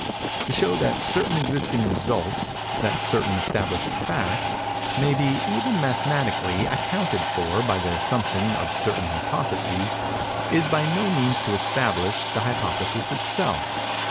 To show that certain existing results—that certain established facts—may be, even mathematically, accounted for by the assumption of a certain hypothesis, is by no means to establish the hypothesis itself.